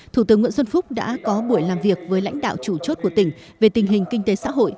thủ tướng nguyễn xuân phúc đã có buổi làm việc với lãnh đạo chủ chốt của tỉnh về tình hình kinh tế xã hội